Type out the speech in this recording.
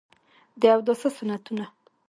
د اوداسه سنتونه: